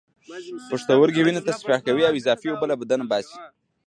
پښتورګي وینه تصفیه کوي او اضافی اوبه له بدن باسي